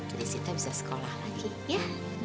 jadi sita bisa sekolah lagi ya